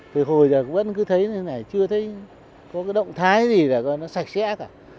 thì hồi giờ vẫn cứ thấy như thế này chưa thấy có cái động thái gì là nó sạch sẽ cả